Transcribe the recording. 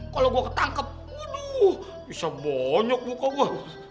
kalau gue ketangkep waduh bisa bonyok muka gue